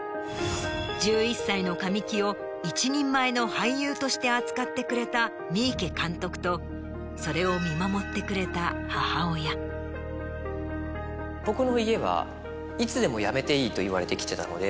１１歳の神木を一人前の俳優として扱ってくれた三池監督とそれを見守ってくれた母親。と言われてきてたので。